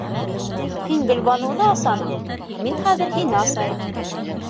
Һин Гөлбаныуҙы асаның, мин хәҙер һине асайым!